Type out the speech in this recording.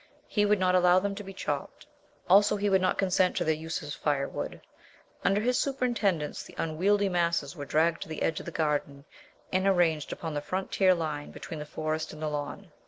He would not allow them to be chopped; also, he would not consent to their use as firewood. Under his superintendence the unwieldy masses were dragged to the edge of the garden and arranged upon the frontier line between the Forest and the lawn.